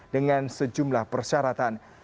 dengan sejumlah persyaratan